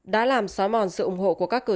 đã làm xóa mòn sự ủng hộ của các cơ quan